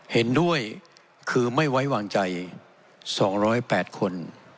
เห็นด้วยคือไม่ไว้วางใจ๒๐๘คน